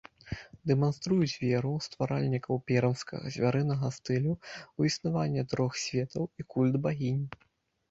Дэманструюць веру стваральнікаў пермскага звярынага стылю ў існаванне трох светаў і культ багінь.